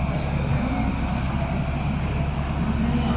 いやけどほかいませんやん。